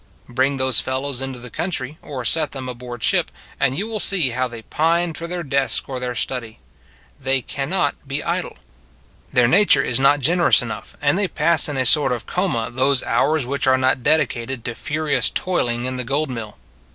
Bring those fellows into the coun try, or set them aboard ship, and you will see how they pine for their desk or their study. They can not be idle. Their nature is not generous enough, and they pass in a sort of coma those hours which are not dedicated to furious moiling in the gold mill.